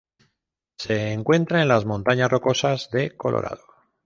Se encuentra en las Montañas Rocosas de Colorado.